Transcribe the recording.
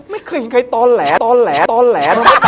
ไม่เคยเห็นใครตอนแหละ